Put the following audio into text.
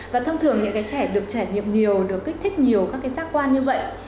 và thông thường những cái trẻ được trải nghiệm nhiều được kích thích nhiều các cái giác quan như vậy